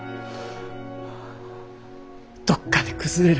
どっかで崩れる。